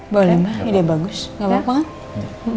boleh mbak ide bagus gak apa apa kan